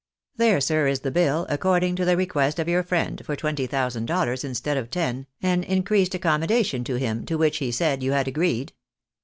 " There, sir, is the bill, according to the request of your friend, for twenty thousand dollars instead of ten, an increased accom modation to him, to which, he said, you had agreed."